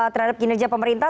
terhadap kinerja pemerintah